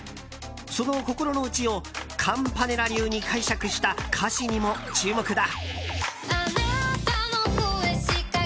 その心の内をカンパネラ流に解釈した歌詞にも注目だ。